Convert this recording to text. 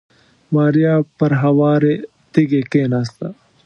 ماريا پر هوارې تيږې کېناسته.